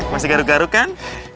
masih garuk garuk kan